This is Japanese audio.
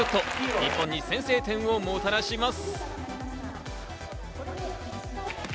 日本に先制点をもたらします。